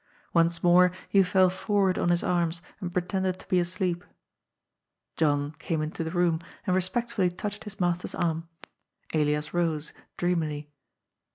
Once more he fell forward on his arms and pretended to be asleep. John came into the room and respectfully touched his master's arm. Elias rose, dreamily.